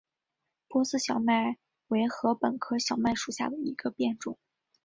波斯小麦为禾本科小麦属下的一个变种。